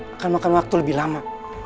akan makan waktu lebih lama